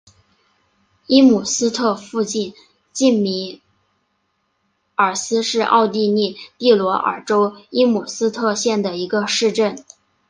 伊姆斯特附近米尔斯是奥地利蒂罗尔州伊姆斯特县的一个市镇。